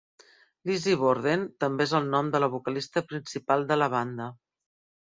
Lizzy Borden també és el nom de la vocalista principal de la banda.